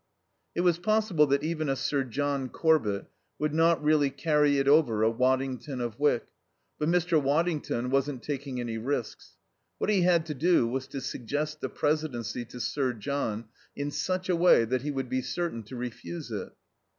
It was possible that even a Sir John Corbett would not really carry it over a Waddington of Wyck, but Mr. Waddington wasn't taking any risks. What he had to do was to suggest the presidency to Sir John in such a way that he would be certain to refuse it.